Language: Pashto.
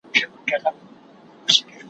چي قاتل په غره کي ونیسي له غاره